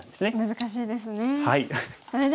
難しいですね。